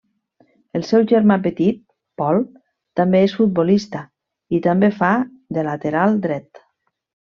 El seu germà petit, Pol, també és futbolista, i també fa de lateral dret.